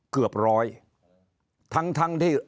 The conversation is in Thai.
เกือบร้อยแถมทั้งที่